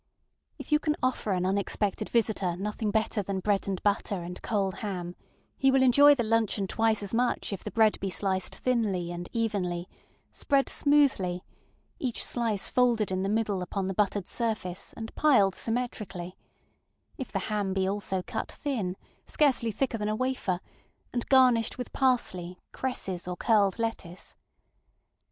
If you can offer an unexpected visitor nothing better than bread and butter and cold ham, he will enjoy the luncheon twice as much if the bread be sliced thinly and evenly, spread smoothly, each slice folded in the middle upon the buttered surface, and piled symmetrically; if the ham be also cut thin, scarcely thicker than a wafer, and garnished with parsley, cresses, or curled lettuce.